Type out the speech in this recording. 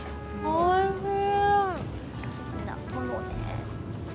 おいしい。